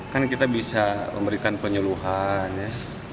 kan kita bisa memberikan penyeluhan ya